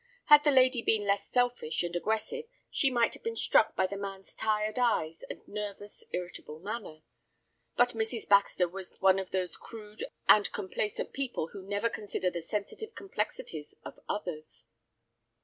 Had the lady been less selfish and aggressive she might have been struck by the man's tired eyes and nervous, irritable manner. But Mrs. Baxter was one of those crude and complacent people who never consider the sensitive complexities of others.